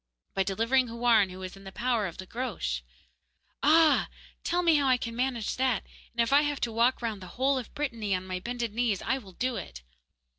'By delivering Houarn, who is in the power of the Groac'h.' 'Ah! tell me how I can manage that, and if I have to walk round the whole of Brittany on my bended knees I will do it!